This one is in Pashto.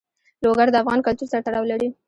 لوگر د افغان کلتور سره تړاو لري.